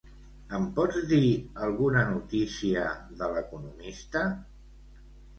Em pots dir alguna notícia de l'"Economista"?